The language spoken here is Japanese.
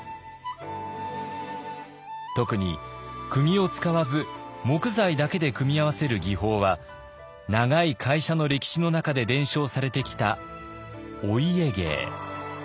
特にくぎを使わず木材だけで組み合わせる技法は長い会社の歴史の中で伝承されてきたお家芸。